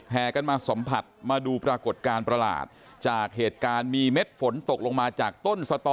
กันมาสัมผัสมาดูปรากฏการณ์ประหลาดจากเหตุการณ์มีเม็ดฝนตกลงมาจากต้นสตอ